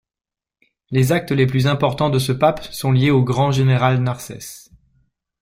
Les actes les plus importants de ce pape sont liés au grand général Narsès.